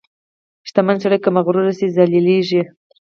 • شتمن سړی که مغرور شي، ذلیلېږي.